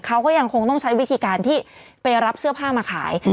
เขาก็ยังคงต้องใช้วิธีการที่ไปรับเสื้อผ้ามาขาย